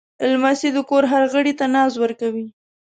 لمسی د کور هر غړي ته ناز ورکوي.